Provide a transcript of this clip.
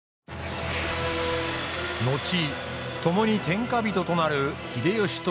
後ともに天下人となる秀吉と家康。